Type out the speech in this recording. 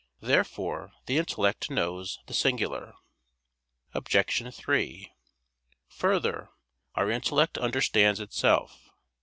Therefore the intellect knows the singular. Obj. 3: Further, our intellect understands itself.